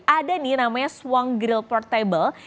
ada nih namanya swang grill portable